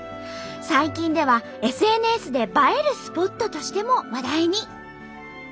最近ではＳＮＳで映えるスポットとしても話題に！